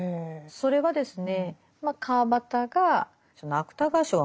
それはですね